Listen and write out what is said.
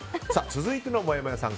続いてのもやもやさん